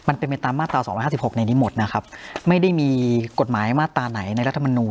มันเป็นไปตามมาตราสองร้อยห้าสิบหกในนี้หมดนะครับไม่ได้มีกฎหมายมาตราไหนในรัฐมนูล